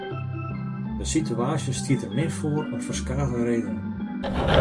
De situaasje stiet der min foar om ferskate redenen.